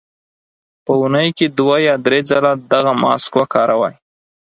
په اونۍ کې دوه یا درې ځله دغه ماسک وکاروئ.